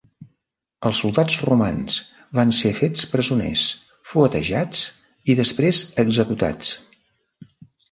Els soldats romans van ser fets presoners, fuetejats i després executats.